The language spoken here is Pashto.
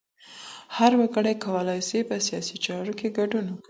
هر وګړی کولای سي په سياسي چارو کي ګډون وکړي.